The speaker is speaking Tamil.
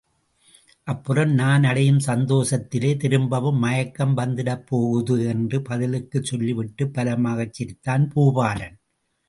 அப்புறம் நான் அடையும் சந்தோஷத்திலே திரும்பவும் மயக்கம் வந்திடப் போகுது! என்று பதிலுக்குச் சொல்லிவிட்டுப் பலமாகச் சிரித்தான் பூபாலன்.